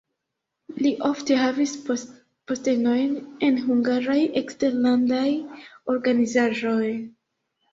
Li ofte havis postenojn en hungaraj eksterlandaj organizaĵoj.